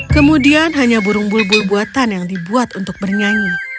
kemudian hanya burung bulbul buatan yang dibuat untuk bernyanyi